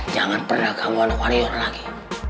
jangan pernah kamu anak warior lagi